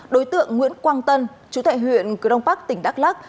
đối tượng nguyễn quang tân chú thệ huyện cửu đông bắc tỉnh đắk lắc